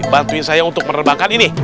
bantuin saya untuk menerbangkan ini